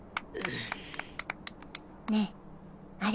ねえあれ。